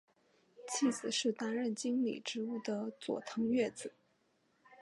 妻子是担任经理职务的佐藤悦子。